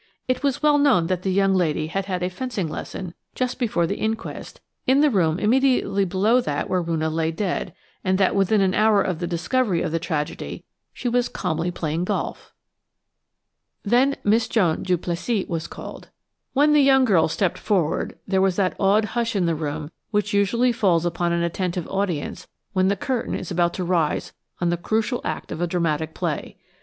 It was well known that the young lady had had a fencing lesson just before the inquest in the room immediately below that where Roonah lay dead, and that within an hour of the discovery of the tragedy she was calmly playing golf. Then Miss Joan Duplessis was called. When the young girl stepped forward there was that awed hush in the room which usually falls upon an attentive audience when the curtain is about to rise on the crucial act of a dramatic play.